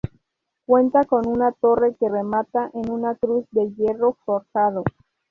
Cuenta con una torre que remata en una cruz de hierro forjado.